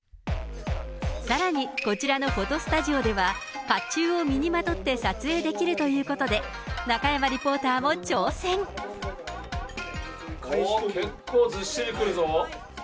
さらにこちらのフォトスタジオでは、かっちゅうを身にまとって撮影できるということで、中山リポータおっ、結構ずっしりくるぞ。